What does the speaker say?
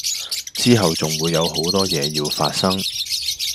之後仲會有好多嘢要發生